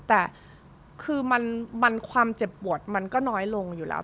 แต่คือมันความเจ็บปวดมันก็น้อยลงอยู่แล้ว